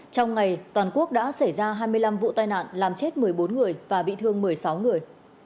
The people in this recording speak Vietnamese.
trong ngày toàn quốc đã xảy ra hai mươi năm vụ tai nạn làm chết một mươi bốn người và bị thương một mươi sáu người